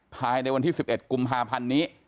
ภายในวันที่๑๑กุมภาพันธ์นี้